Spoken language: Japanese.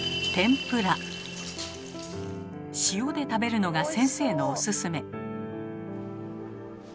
塩で食べるのが先生のおすすめ。